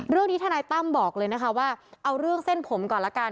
ทนายตั้มบอกเลยนะคะว่าเอาเรื่องเส้นผมก่อนละกัน